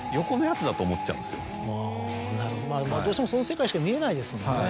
なるほどどうしてもその世界しか見えないですもんね。